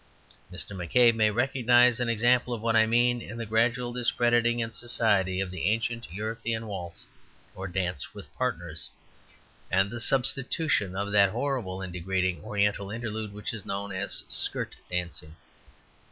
Mr. McCabe may recognize an example of what I mean in the gradual discrediting in society of the ancient European waltz or dance with partners, and the substitution of that horrible and degrading oriental interlude which is known as skirt dancing.